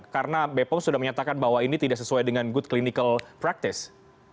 karena bepom sudah menyatakan bahwa ini tidak sesuai dengan good clinical practice